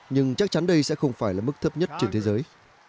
nhưng chắc chắn đây sẽ không phải là mức thấp nhất trên thế giới